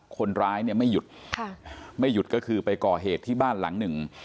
คนร้ายเนี่ยไม่หยุดค่ะไม่หยุดก็คือไปก่อเหตุที่บ้านหลังหนึ่ง